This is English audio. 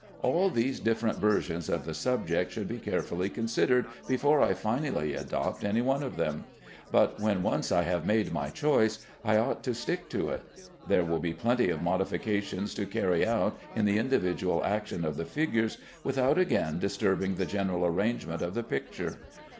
All these different versions of the subject should be carefully considered before I finally adopt any one of them; but when once I have made my choice, I ought to stick to it. There will be plenty of modifications to carry out in the individual action of the figures without again disturbing the general arrangement of the picture.